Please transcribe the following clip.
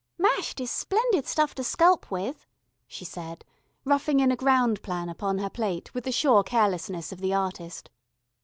"Mashed is splendid stuff to sculp with," she said, roughing in a ground plan upon her plate with the sure carelessness of the artist.